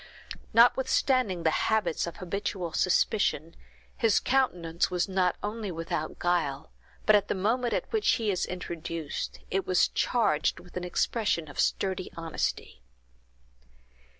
Notwithstanding the symptoms of habitual suspicion, his countenance was not only without guile, but at the moment at which he is introduced, it was charged with an expression of sturdy honesty.